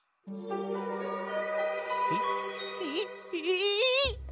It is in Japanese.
えっええっええ！？